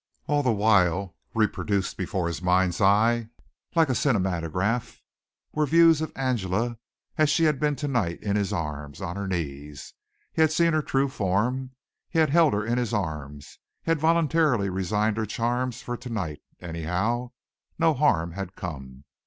All the while, reproduced before his mind's eye like a cinematograph, were views of Angela as she had been tonight in his arms, on her knees. He had seen her true form. He had held her in his arms. He had voluntarily resigned her charms for tonight; anyhow, no harm had come.